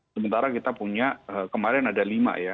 sementara kita punya kemarin ada lima ya